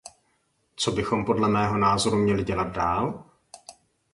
Co bychom podle mého názoru měli dělat dál?